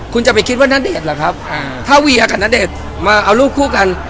คุณจะไปคิดว่านันเดชหรือครับถ้าเวียร์กับนันเดชมามีรูปคู่กัน